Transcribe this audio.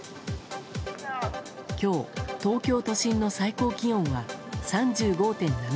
今日、東京都心の最高気温は３５．７度。